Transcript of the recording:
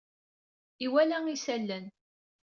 Iwala isalan.